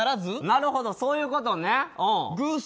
なるほど、そういうことね。